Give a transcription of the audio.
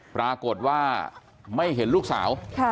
ปรากฏว่าไม่เห็นลูกสาว